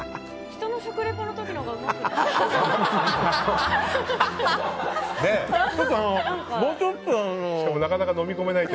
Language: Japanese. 人の食リポの時のほうがうまくない？